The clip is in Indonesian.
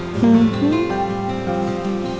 gak ada apa apa